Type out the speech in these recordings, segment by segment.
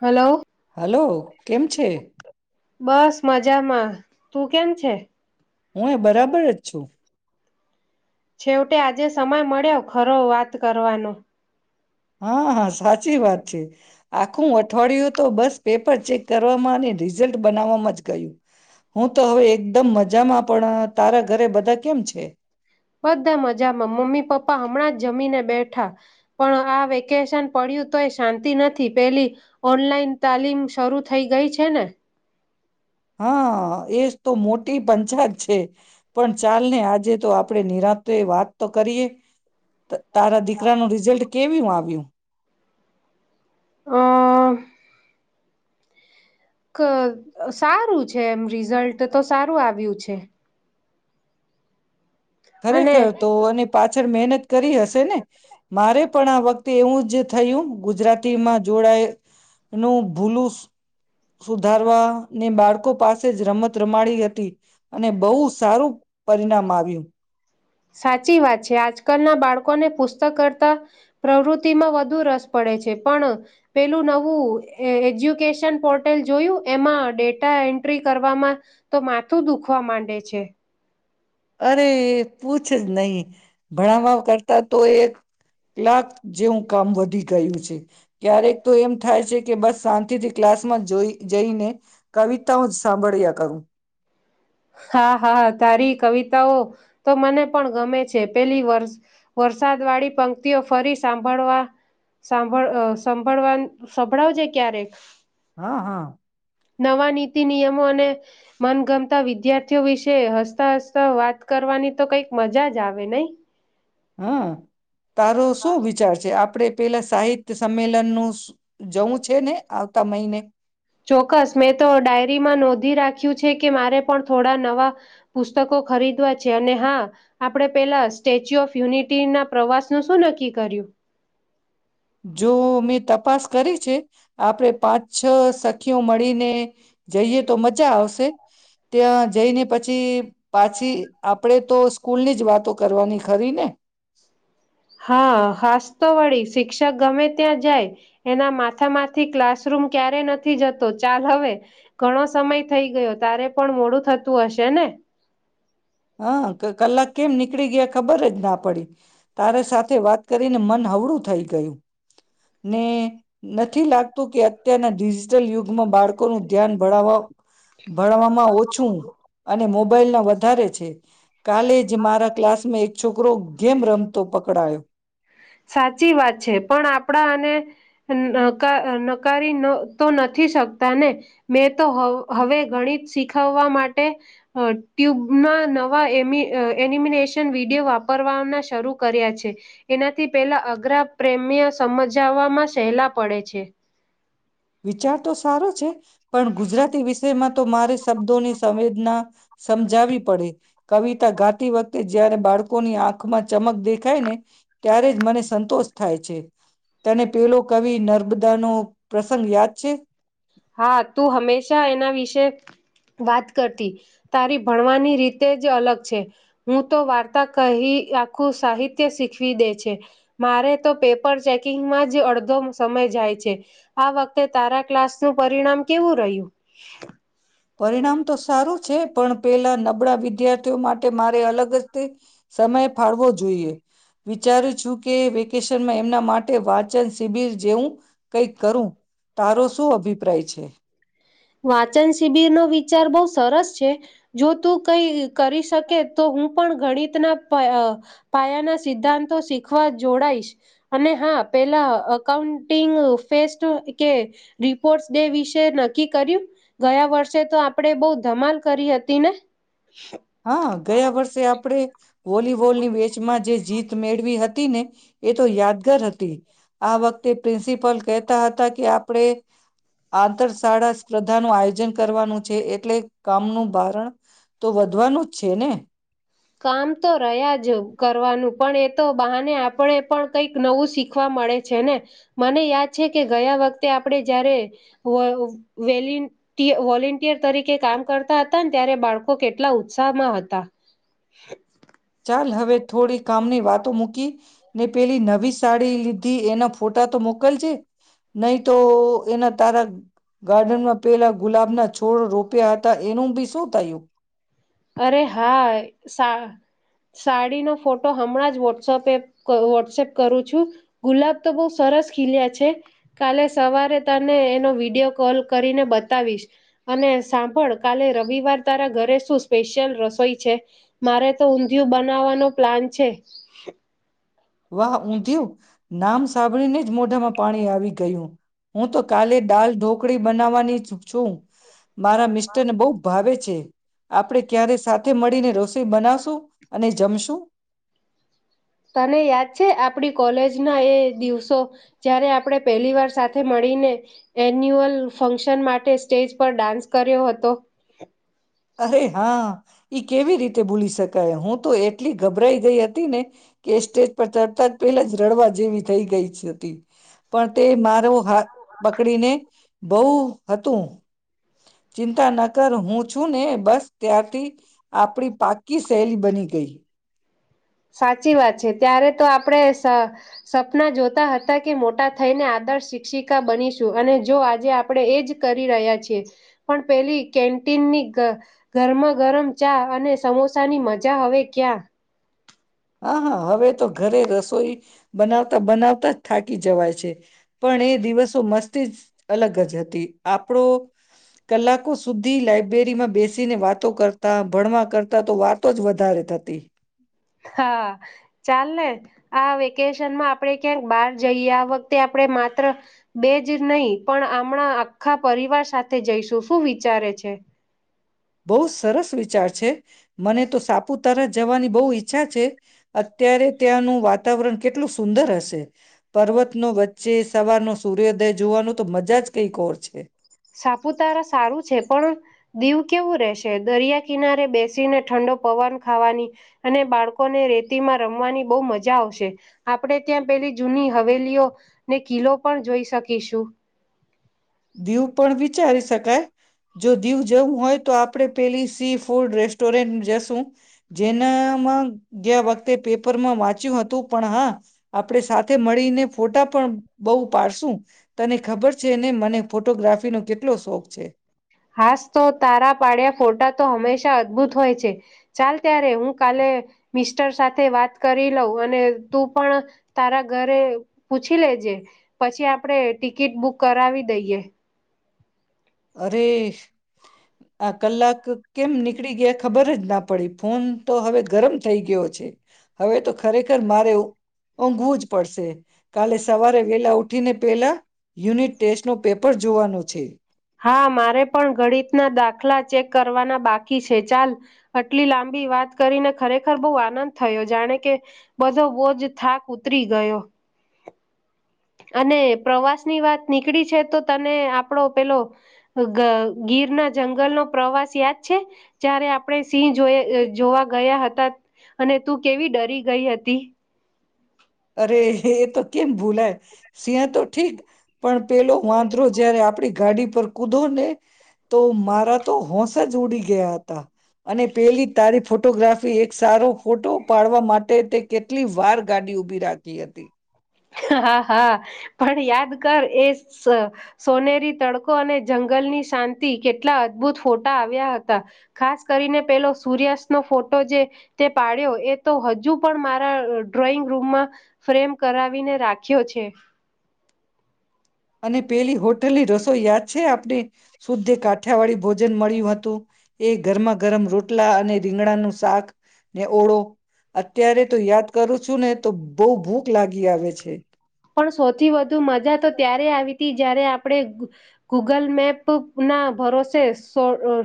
Hello hello કેમ છે. બસ મજામાં તું કેમ છે. હું એ બરાબર જ છું. છેવટે આજે સમય મળ્યો ખરો વાત કરવાનો. હા હા સાચી વાત. અ છે. આખું અઠવાડિયું તો બસ. પેપર ચેક કરવામાં અને રિઝલ્ટ બનાવવામાં જ કહ્યું. હું તો હવે એકદમ મજા. મજામાં પણ તારા ઘરે બધા કેમ છે. બધા મજામાં મમ્મી પપ્પા હમણાં જ જમીને બેઠા પણ આ વેકેશન પડ્યું તો એ શાંતિ નથી પેલી ઓનલાઈન તાલીમ શરૂ થઈ ગઈ છે ને. હા એ તો મોટી પંચાપત છે પણ ચાલ ને આજે. તો આપણે નિરાંત એ વાત તો કરીએ તારા દીકરા નું રિઝલ્ટ કેવી આવ્યું. હ ક સારું છે એમ રિઝલ્ટ તો સારું આવે. આવ્યું છે. ખરેખર અને તો અને પાછળ મહેનત કરી હશે ને મારે પણ આ વખતે તેવું જ થયું ગુજરાતી માં જોડાય એનું ભૂલું સુધારવા ને બાળકો પાસે જ રમત રમાડી હતી અને બહુ સારું પરિણામ આવ્યું. સાચી વાત છે આજકાલના બાળકોને પુસ્તક કરતા પ્રવૃતિમાં વધુ રસ પડે છે પણ પેલું નવું એજ્યુકેશન પોર્ટલ જોયું એમાં ડેટા એન્ટ્રી કરવામાં તો માથું દુખવા માંડે છે. અરે પૂછ જ નહી. ભણવા કરતા તો એક કલાક જેવું કામ વધી ગયું છે ક્યારેક તો એમ થાય છે કે બસ શાંતિથી ક્લાસમાં જોઈ જઈને કવિતાઓ સાંભળ જા કરું. હા હા તારી કવિતાઓ તો મને પણ ગમે છે પેલી વર [unintelligible] વાળી પંક્તિઓ ફરી સાંભળવા સાંભળ સાંભળવા સંંભળાવજે ક્યારેક હા હા. નવા નીતિ નિયમો અને મનગમતા વિદ્યાર્થીઓ વિશે હસતા હસતા વાત કરવાની તો કઈક મજા જ આવે નહી. હ તારો શું વિચાર છે આપડે પેલા સાહિત્ય સંમેલન ન જવું છે ને આવતા મહિને. ચોક્કસ મેં તો ડાયરીમાં નોંધી રાખ્યું છે કે મારે પણ થોડા નવા પુસ્તકો ખરીદવા છે અને હા આપણે પહેલા સ્ટેચ્યુ ઓફ યુનિટીના પ્રવાસનું શું નક્કી કર્યું? જો મે તપાસ કરી છે આપણેે પાંચ છ સખીઓ મળીને જઈએ તો મજા આવશે ત્યાં જઈને પછી પાછી આપડે તો સ્કૂલ ની જ વાતો કરવાની. ખરી ને. હા હાસ તો વળી શિક્ષક ગમે ત્યાં જાય એના માથામાંથી ક્લાસરૂમ ક્યારે નથી જતો ચાલ હવે ઘણો સમય થઈ ગયો તારે પણ મોડું થતું હશે ને. હા કલાક કેમ નીકળી ગયા ખબર જ ના પડી તારેા સાથે વાત કરીને મન હવડું થઈ ગયું. ને નથી લાગતું કે અત્યારના ડિજિટલ યુગ માં બાળકો નું ધ્યાન ભણાવવા ભણવામાં ઓછું અને મોબાઈલ ના વધારે. કાલેજ મારા ક્લાસમાં એક છોકરો ગેમ રમતો પકડાયો. સાચી વાત છે. પણ આપણા અને નકા નકારી તો નથી શકતા ને. મેં તો હવ-હવે ગણિત એનાથી પેલા અઘરા પ્રેમ્ય સમજાવવામાં સહેલા પડે છે. વિચાર તો સારો છે પણ ગુજરાતી વિશ તેમાં તો મારે શબ્દોની સંવેદના સમજાવી પડે કવિતા ગાતી વખતે જયારે બાળકોની આંખ માં ચમક દેખાય ને ત્યારે જ મને સંતોષ થાય છે. તેને પેલો કવિ નર બધાનું હા, તું હંમેશા એના વિશે વાત કરતી. તારી ભણવાની રીતે જ અલગ છે. હું તો વાર્તા કહી આખું સાહિત્ય શીખવી દે છે. મારે તો પેપર ચેકિંગમાં જ અડધો સમય જાય છે. આ વખતે તારા ક્લાસ નું પરિણામ કેવું રહ્યું? પરિણામ તો સારું છે પણ પેલા નબળા વિદ્યાર્થીઓ માટે મારે અલગ જ તે સમય ફાળવો જોઈએ. વિચારું છું કે વેકેશનમાં એ મના માટે વાચન શિબિર જેવું કંઈક કરું. તારો શું અભિપ્રાય છે? વાચન શિબિર નો વિચાર બઉ સરસ છે. જો તું કઈ કરી શકે તો હું પણ ગણિતના પાઅહ પાયાના સિદ્ધાંતો શીખવા જોડાઈશ. અને હા પેલા અઉન્ટિંગ ફેસ્ટ કે રિપોર્ટ ડે વિશેય ન ક્કી કર્યું, ગયા વર્ષે તો આપણેે બહ ધમાલ કરી હતી ને. હા, ગયા વર્ષે આપડે વોલીબોલની મેચમાં જે જીત મેળવી હતી ને એ તો યાદગાર હતી આ વખતે પ્રિન્સી પલ કહેતા હતા કે આપણે આંતર શાળા સ્પર્ધા નું આયોજન કરવાનું છે એટલે કામનું ભારણ તો વ ધવાનું જ છે ને. કામ તો પ્રયાજ કરવાનું પણ એ તો બહાને આપણે પણ કઈક નવું શીખવા મળે છે ને. મને યાદ છે કે ગયા વખતે આપણે જયારે વઅ વેલિન્ટીઅ વોલન્ટિયર તરીકે કામ કરતા હા. ચાલ હવે થોડી કામની વાતો મૂકી ને પેલી નવી સાડી લી ધી એના ફોટા તો મોકલજે. નહી તો એના તારા ગાર્ડનમાં પેલા ગુલાબ ના છોડ રોપ્યા હતા એનું ભી શું થયું? અરે હા સા સાડીનો ફોટો હમણાં જ વોટ્સપે ક વોટ્સપ કરું છું. ગુલાબ તો બહુ સરસ ખીલ્યા છે. કાલે સવારે તને એનો વિડીયો કોલ કરીને બતાવીશ. અને સાંભળ કાલે રવિવાર તારા ઘરે શું સ્પેશિયલ રસોઈ છે. મારે તો ઊંધિયું બનાવવાનો પ્લાન છે. વાહ ઊંધિયુ, નામ સાંભળીને જ મોઢામાં પાણી આવી ગયું. હું તો કાલે દાલ ઢોકળી બનાવવાની છી છું. મારા મિસ્ટરને બહુ ભાવે છે. આપડે ક્યારે સાથે મળીને રોસ તે બાનાશું અને જમશું. તને યાદ છે આપણી કોલેજના એ દિવસો જ્યારે આપણે પહેલી વાર સાથે મળીને એન્યુઅલ ફંક્શન માટે સ્ટેજ પર ડાન્સ કર્યો હતો અરે હા ઈ કેવી રીતે ભૂલી શકે હું તો એટલી ગભરાઈ ગઈ હતી ને કે સ્ટેજ પર તડતા પેલા જ રડવા જેવી થઈ ગઈ હતી પણ તે મારો હાથ પકડીને બહુ હતું ચિંતા ન કર હું છું ને બસ ત્યાંથી આપડી પાકી શહેલી બની ગઈ સાચી વાત છે ત્યારે તો આપણે સ સપના જોતા હતા કે મોટા થઈને આદર્શ શિક્ષિકા બનીશું અને જો આજે આપણે એજ કરી રહ્યા છીએ પણ પેલી કેન્ટીનની ગરમાં ગરમ ચા અને સમોસાની મજા હવે ક્યાં હા હા હવે તો ઘરે રસોઈ બનાવતા બનાવતા જ થાકી જવાય છે પણ એ દિવસો મસ્ત અલગ જ હતી આપડો કલાકો સુધી લાયબ્રેરીમાં બેસીને વાતો કરતા ભણવા કરતા તો વાતો જ વધારે થતી હા ચાલ ને આ વેકેશનમાં આપણે ક્યાંક બહાર જઈએ આ વખતે આપણે માત્ર બે જ નહી પણ હમણાં આખા પરિવાર સાથે જઈશું શું વિચારે છે બહુ સરસ વિચાર છે મને તો સાપુતારા જવાની બહુ ઈચ્છા છે અત્યારે ત્યાંનું વાતાવરણ કેટલું સુંદર હશે પર્વત નો વચ્ચે સવાર નો સૂર્યોદય જોવાનું તો મજા જ કઈક ઓર છે સાપુતારા સારું છે પણ દીવ કેવું રહેશે દરિયા કિનારે બેસીને ઠંડો પવન ખાવાની અને બાળકોને રેતીમાં રમવાની બહુ મજા આવશે આપણે ત્યાં પેલી જૂની હવેલીઓ ને કિલો પણ જોઈ શકીશું દીવ પણ વિચારી શકાય જો દીવ જવું હોય તો આપણે પેલી સી ફૂડ રેસ્ટોરન્ટ જશું જેનામાં ગયા વખતે પેપરમાં વાંચ હતું પણ હા આપણે સાથે મળીને ફોટા પણ બહુ પાડશું તને ખબર છે ને મને ફોટોગ્રાફીનો કેટલો શોખ છે હાસ તો તારા પાડ્યા ફોટા તો હંમેશા અદભુત હોય છે ચાલ ત્યારે હું કાલે મિસ્ટર સાથે વાત કરી લઉં અને તું પણ તારા ઘરે પૂછી લેજે પછી આપણેે ટિકિટ બુક કરાવી દઈએ અરે આ કલાક કેમ નીકળી ગયા ખબર જ ના પડી ફોન તો હવે ગરમ થઈ ગયો છે હવે તો ખરેખર મારે ઊંઘવું જ પડશે કાલે સવારે વેલા ઉઠીને પેલા યુનિટ ટેસ્ટ નો પેપર જોવાનો છે હા મારે પણ ગણિતના દાખલા ચેક કરવાના બાકી છે ચાલ આટલી લાંબી વાત કરીને ખરેખર બહુ આનંદ થયો જાણે કે બધો બોજ થાક ઉતરી ગયો અને પ્રવાસ ની વાત નીકળી છે તો તને આપણો પેલો ગ ગીર ના જંગલનો પ્રવાસ યાદ છે જ્યારે આપણે સિંહ જો જોવા ગયા હતા અને તું કેવી ડરી ગઈ હતી અરે એ તો કેમ ભૂલાય સિહ તો ઠીક પણ પેલો વાંદરો જયારે આપણી ગાડી પર કૂદો ને તો મારા તો હોંશ જ ઉડી ગયા ઘેયા હતા. અને પેલી તારી ફોટોગ્રાફી એક સારો ફોટો પાડવા માટે તે કેટલી વાર ગાડી ઉ. રાખી હતી. હા હા પણ યાદ કર એ સોનેરી તડકો અને જંગલની શાંતિ કેટલા અદભુત ફોટા આવ્યા હતા, ખાસ કરીને પેલો સૂર્યાસ્તનો ફોટો જે તે પાડ્યો એ તો હજુ પણ મારા ડ્રોઈંગ રૂમમાં ફ્રેમ કરાવી ને રાખ્યો છે. અને પેલી હોટલની રસ તો યાદ છે આપડી શુદ્ધ કાઠિયાવાળી ભોજન મળ્યું હતું એ ગરમાં ગરમ રોટ આટલા અને રીંગણાનું શાક ને ઓળો અત્યારે તો યાદ કરું છું ને તો બહુ ભૂખ લાગી આવે છે. પણ સૌથી વધુ મજા તો ત્યારે આવી જયારે આપણે ગૂગલ મેપ ના ભરોસે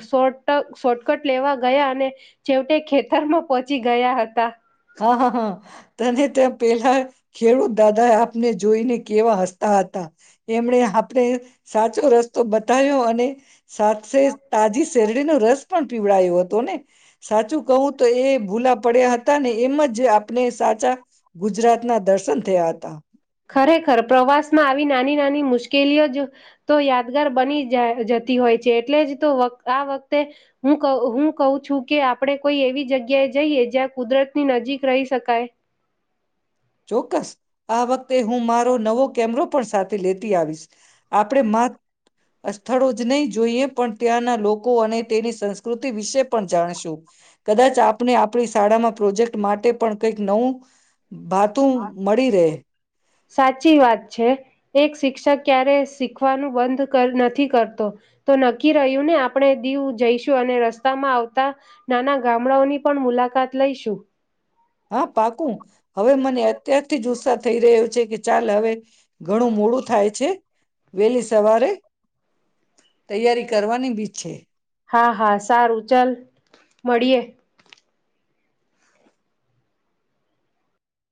શોટ શોર્ટકટ લેવા ગયા અને છેવટે ખેતરમાં પહોચી ગયા હતા. હા હા હા તને ત્યાં પેલા. ખેડૂત દાદા આપને જોઈને કેવા હસતા હતા એમણે આપણે સાચો રસ્તો બતાવ્યો અને સાથે તાજી શેરડીનો રસ પણ પીવડાયો હતો ને સાચું કહું તો એ ભૂલા પડ્યા હતા અને એમ જ આપણે સાચા ગુજરાતના દર્શન થયા હતા ખરેખર પ્રવાસ માં આવી નાની નાની મુશ્કેલીઓ તો યાદગાર બની જતી હોય છે એટલે જ તો આ વખતે હું હું કું છું કે આપણે કોઈ એવી જગ્યાએ જઈએ જ્યાં કુદરત ની નજીક રહી શકાય. ચોક્કસ આ વખતે હું મારા નવો કેમરો પણ સાથે લેતી આવીશ આપણે મહ સ્થળો જ નહી જોઈએ પણ ત્યાંના લોકો અને તેની સંસ્કૃતિ વિશે પણ જાણશું કદાચ આપણે આપણી શાળામાં પ્રોજેક્ટ માટે પણ કંઈક નવું બાદ તું મળી રહે સાચી વાત છે એક શિક્ષક ક્યારે શીખવાનું બંધ નથી કરતો તો નક્કી રહ્યું ને આપણે દીવ જઈશું અને રસ્તામાં આવતા નાના ગામડાઓની પણ મુલાકાત લઈશું હા પાકુ હવે મને અત્યારથી જ ઉત્સાહ થઈ રહ્યો છે કે ચાલ હવે ઘણું મોડું થાય છે વહેલી સવારે તૈયારી કરવાની બી છે. હા હા સારું ચાલ મળીએ.